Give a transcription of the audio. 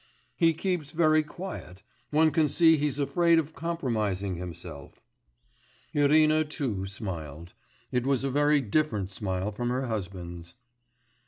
'He keeps very quiet ... one can see he's afraid of compromising himself.' Irina too smiled; it was a very different smile from her husband's.